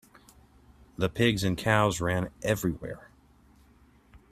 The pigs and cows ran everywhere.